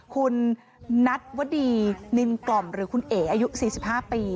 คุณนัทวดีนินกล่อมหรือคุณเอ๋อายุ๔๕ปี